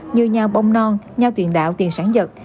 như nhau bông non nhau tuyển đạo tuyển sản dật